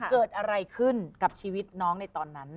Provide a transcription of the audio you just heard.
เกิดอะไรขึ้นกับชีวิตน้องในตอนนั้น